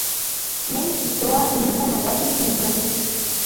Ne nikijtoa nin tlanauatil mitsnamiki.